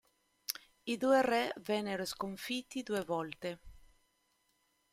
I due re vennero sconfitti due volte.